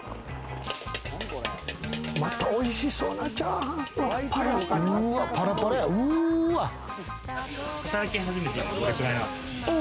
また美味しそうなチャーハン。